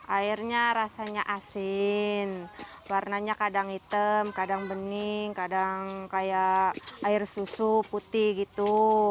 airnya rasanya asin warnanya kadang hitam kadang bening kadang kayak air susu putih gitu